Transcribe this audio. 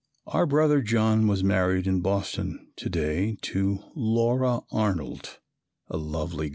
Our brother John was married in Boston to day to Laura Arnold, a lovely girl.